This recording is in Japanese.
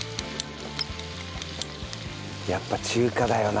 やっぱ中華だよな